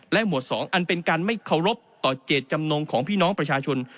หมวด๒อันเป็นการไม่เคารพต่อเจตจำนงของพี่น้องประชาชน